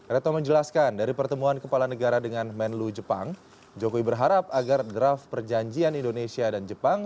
retno menjelaskan dari pertemuan kepala negara dengan menlu jepang jokowi berharap agar draft perjanjian indonesia dan jepang